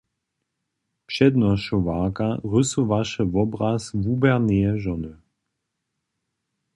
Přednošowarka rysowaše wobraz wuběrneje žony.